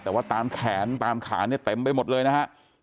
แต่ว่าตามแขนตามขาเนี่ยเต็มไปหมดเลยนะฮะ